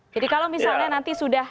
jadi kalau misalnya nanti sudah